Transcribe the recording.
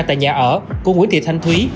tại nhà ở của nguyễn thị thanh thúy